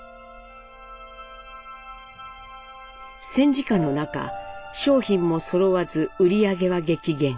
戦時下の中商品もそろわず売り上げは激減。